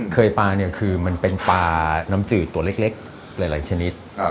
ปลาเนี่ยคือมันเป็นปลาน้ำจืดตัวเล็กหลายชนิด